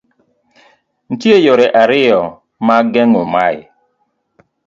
Nitie yore ariyo mag geng'o mae